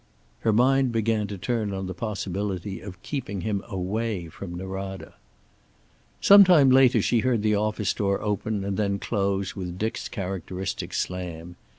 Her mind began to turn on the possibility of keeping him away from Norada. Some time later she heard the office door open and then close with Dick's characteristic slam.